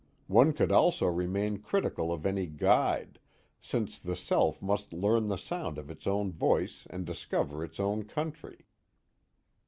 One could also remain critical of any guide, since the self must learn the sound of its own voice and discover its own country.